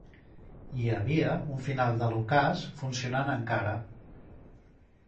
Hi havia un final de l'ocàs funcionant encara.